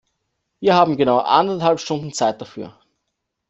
Wir haben genau anderthalb Stunden Zeit dafür.